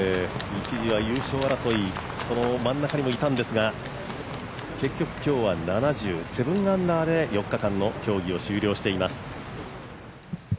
一時は優勝争いの真ん中にもいたんですが結局、今日は７０、７アンダーで４日間の競技を終了しています。